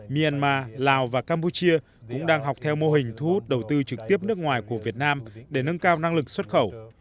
myanmar lào và campuchia cũng đang học theo mô hình thu hút đầu tư trực tiếp nước ngoài của việt nam để nâng cao năng lực xuất khẩu